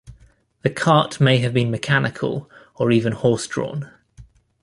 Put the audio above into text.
The cart may have been mechanical or even horse drawn.